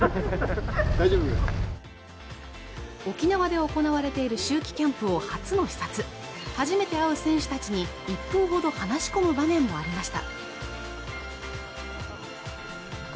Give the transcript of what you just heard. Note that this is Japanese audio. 沖縄で行なわれている秋季キャンプを初の視察初めて会う選手たちに１分ほど話し込む場面もありました